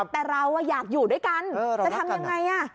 แต่เราอยากอยู่ด้วยกันจะทำยังไง